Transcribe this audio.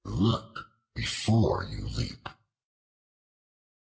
Look before you leap.